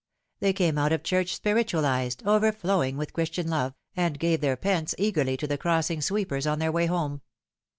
They came out of church spiritualised, overflowing with Christian love, and gave their pence eagerly to the crossing sweepers on their way home.